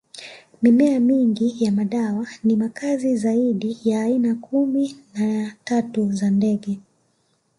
Mimea mingi ya madawa ni makazi zaidi ya aina kumi na tatu za ndege